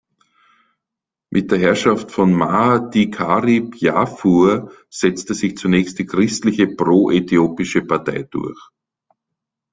Mit der Herrschaft von Maʿdīkarib Yaʿfur setzte sich zunächst die christliche pro-äthiopische Partei durch.